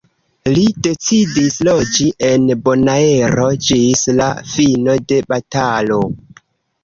Li decidis loĝi en Bonaero ĝis la fino de batalo.